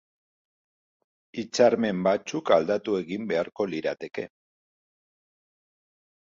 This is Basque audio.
Hitzarmen batzuk aldatu egin beharko lirateke.